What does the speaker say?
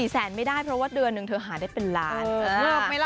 แสนไม่ได้เพราะว่าเดือนหนึ่งเธอหาได้เป็นล้าน